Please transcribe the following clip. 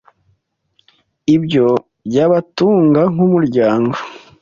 ibyo byabatunga nk’umuryango